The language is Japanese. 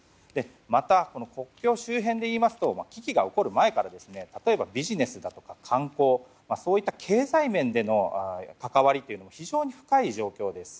また、国境周辺でいいますと危機が起こる前から例えばビジネスだとか観光、そういった経済面での関わりというのが非常に深い状況です。